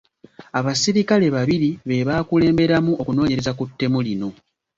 Abasirikale babiri be baakulemberamu okunoonyereza ku ttemu lino.